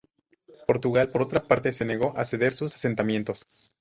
Portugal, por otra parte se negó a ceder sus asentamientos.